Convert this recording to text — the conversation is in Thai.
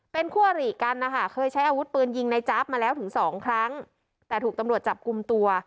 เป็นคู่อริกันนะคะเคยใช้อาวุธปืนยิงในจ๊าบมาแล้วถึงสองครั้งแต่ถูกตำรวจจับกลุ่มตัว